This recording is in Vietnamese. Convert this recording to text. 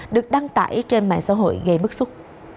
được đăng tải trên mạng xã hội gây bức xúc